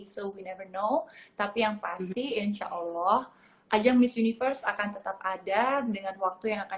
so we never know tapi yang pasti insyaallah ajang miss universe akan tetap ada dengan waktu yang akan